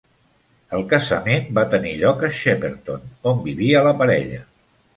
El casament va tenir lloc a Shepperton, on vivia la parella.